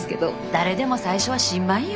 誰でも最初は新米よ。